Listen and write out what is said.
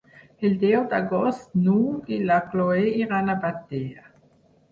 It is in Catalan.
El deu d'agost n'Hug i na Cloè iran a Batea.